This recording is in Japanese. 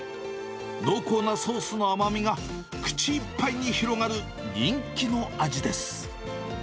濃厚なソースの甘みが口いっぱいに広がる人気の味です。